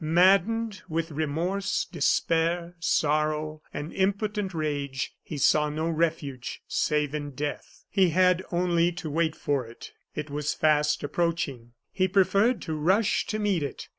Maddened with remorse, despair, sorrow, and impotent rage, he saw no refuge save in death. He had only to wait for it; it was fast approaching; he preferred to rush to meet it.